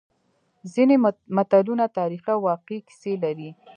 ځینې متلونه تاریخي او واقعي کیسې لري